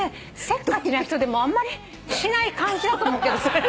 せっかちな人でもあんまりしない感じだと思うけど。